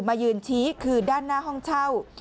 มายืนชี้คือด้านหน้าห้องเช่า